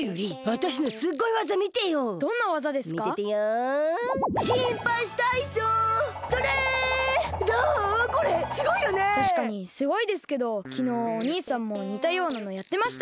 たしかにすごいですけどきのうお兄さんもにたようなのやってました！